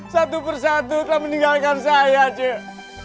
satu persatu telah meninggalkan saya cip